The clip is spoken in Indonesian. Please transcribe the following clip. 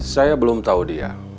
saya belum tahu dia